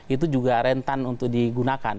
itu juga rentan untuk digunakan